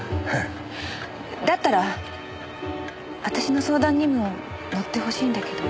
だったら私の相談にも乗ってほしいんだけど。